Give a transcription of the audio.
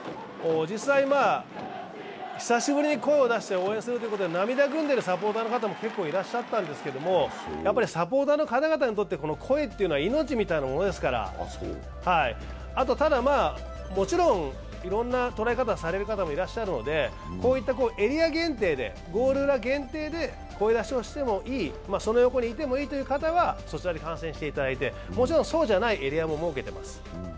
実際、久しぶりに声を出して応援するということで涙ぐんでいるサポーターの方も結構いらっしゃったんですけどサポーターの方たちにとって声というのは命みたいなものですから、ただ、もちろんいろんな捉え方をされる方もいらっしゃるので、こういったエリア限定で、ゴール裏限定で声出しをしてもいい、その横にいてもいいという方はそちらで観戦していただいて、もちろんそうではないエリアも設けています。